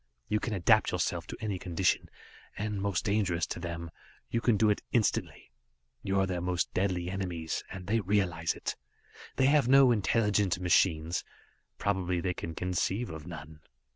You can adapt yourselves to any condition. And most dangerous to them you can do it instantly. You are their most deadly enemies, and they realize it. They have no intelligent machines; probably they can conceive of none.